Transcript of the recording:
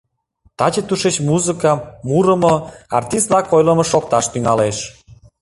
Таче тушеч музыка, мурымо, артист-влак ойлымо шокташ тӱҥалеш.